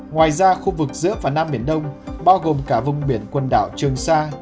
ngoài ra khu vực giữa và nam biển đông bao gồm cả vùng biển quần đảo trường sa